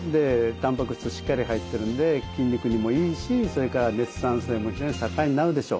たんぱく質しっかり入ってるんで筋肉にもいいしそれから熱産生も非常に盛んになるでしょう。